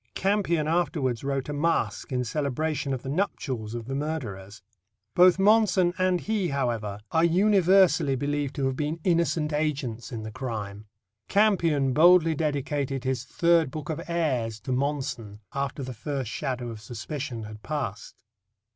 Campion afterwards wrote a masque in celebration of the nuptials of the murderers. Both Monson and he, however, are universally believed to have been innocent agents in the crime. Campion boldly dedicated his Third Book of Airs to Monson after the first shadow of suspicion had passed.